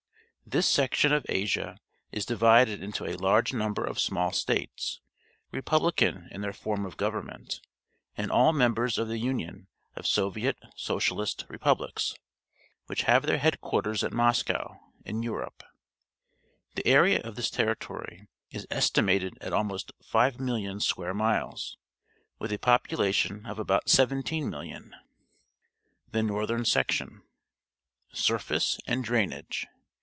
This section of Asia is di\'ided into a large number of small states, republican in their form of government, and aU members of the Union of Soviet Socialist Repubhcs, which have their headquarters at Moscow in Europe. ,See page 191. The area of this territory is estimated at almost 5,000,000 square miles, with a population of about 17,000,000. THE NORTHERN SECTION Surface and Drainage.